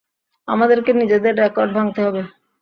আমাদেরকে নিজেদের রেকর্ড ভাঙতে হবে।